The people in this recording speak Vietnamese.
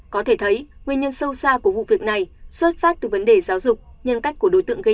có thể thấy nguyên nhân sâu xa của vụ việc này xuất phát từ vấn đề giáo dục nhân cách của đối tượng gây án